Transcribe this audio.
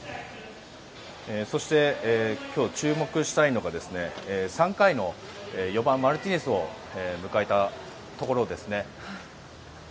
そして、今日注目したいのが３回の４番マルティネスを迎えたところですね。